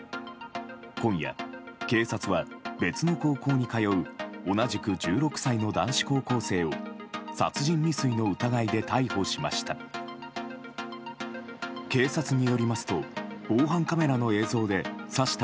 今夜、警察は別の高校に通う同じく１６歳の男子高校生を殺人未遂の疑いで逮捕しました。